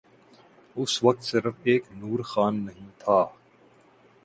اس وقت صرف ایک نور خان نہیں تھا۔